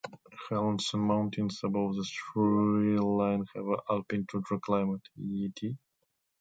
Highlands and mountains above the treeline have alpine tundra climate (Et).